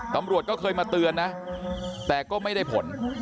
ตำรวจก็เคยมาเตือนนะแต่ก็ไม่ได้ผล